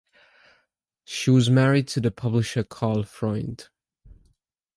She was married to the publisher Carl Freund.